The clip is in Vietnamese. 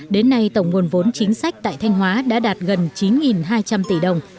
đến nay tổng nguồn vốn chính sách tại thanh hóa đã đạt gần chín hai trăm linh tỷ đồng